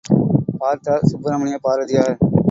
பார்த்தார் சுப்பிரமணிய பாரதியார்.